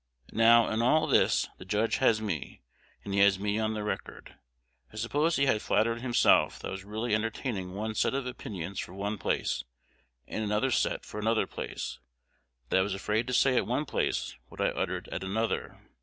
Now, in all this the Judge has me, and he has me on the record. I suppose he had flattered himself that I was really entertaining one set of opinions for one place, and another set for another place, that I was afraid to say at one place what I uttered at another.